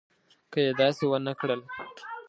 که یې داسې ونه کړل.